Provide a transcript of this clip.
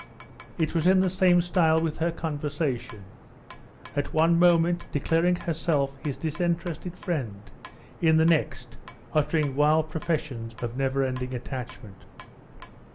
It was in the same style with her conversation; at one moment declaring herself his disinterested friend, in the next, uttering wild professions of never ending attachment.